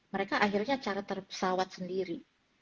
mereka akhirnya cara terpesawat sendiri